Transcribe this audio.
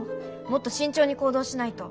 もっと慎重に行動しないと。